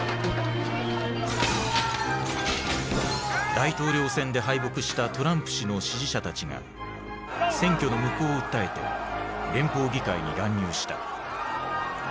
大統領選で敗北したトランプ氏の支持者たちが選挙の無効を訴えて連邦議会に乱入した。